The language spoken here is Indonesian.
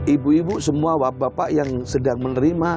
ibu ibu semua bapak yang sedang menerima